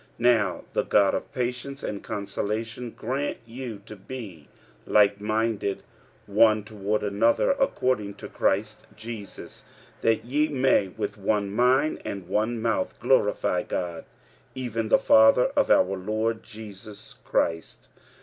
45:015:005 Now the God of patience and consolation grant you to be likeminded one toward another according to Christ Jesus: 45:015:006 That ye may with one mind and one mouth glorify God, even the Father of our Lord Jesus Christ.